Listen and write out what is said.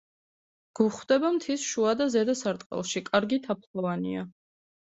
გვხვდება მთის შუა და ზედა სარტყელში, კარგი თაფლოვანია.